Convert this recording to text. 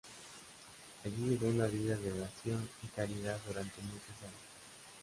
Allí llevó una vida de oración y caridad durante muchos años.